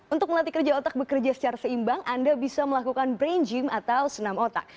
untuk melatih kerja otak bekerja secara seimbang anda bisa melakukan brain gym atau senam otak